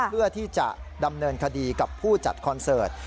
เพื่อที่จะดำเนินคดีกับผู้จัดคอนเสิร์ต